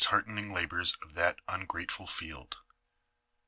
heartening labors of Ibat ungrateful field.